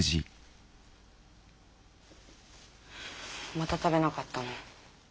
また食べなかったの？